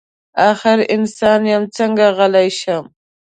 اخر انسان یم څنګه غلی شمه.